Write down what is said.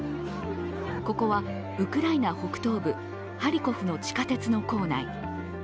ここはウクライナ北東部ハリコフの地下鉄の構内。